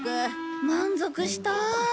満足した。